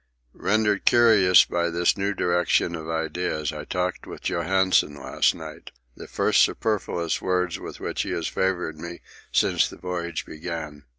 Rendered curious by this new direction of ideas, I talked with Johansen last night—the first superfluous words with which he has favoured me since the voyage began.